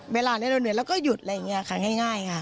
เวลานี้เราเหนื่อยแล้วก็หยุดอะไรอย่างนี้ค่ะง่ายค่ะ